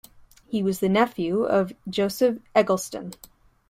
He was the nephew of Joseph Eggleston.